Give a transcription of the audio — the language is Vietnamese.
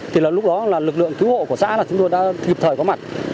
thì là lúc đó là lực lượng cứu hộ của xã là chúng tôi đã kịp thời có mặt